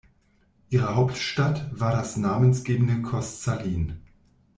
Ihre Hauptstadt war das namensgebende Koszalin.